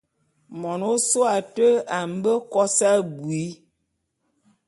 Mon ôsôé ate a mbe kos abui.